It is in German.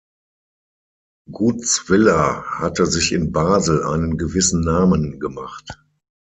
Gutzwiller hatte sich in Basel einen gewissen Namen gemacht.